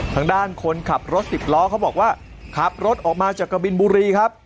ทางด้านคนขับรถสิบล้อเขาบอกว่าขับรถออกมาจากกะบินบุรีครับ